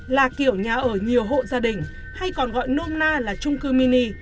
là kiểu nhà ở nhiều hộ gia đình hay còn gọi nôm na là trung cư mini